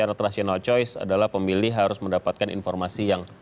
tetaplah bersama kami